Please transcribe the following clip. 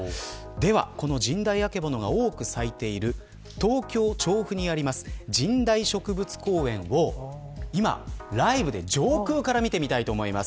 では、このジンダイアケボノが多く咲いている東京、調布にありますジンダイ植物公園を今、ライブで上空から見てみたいと思います。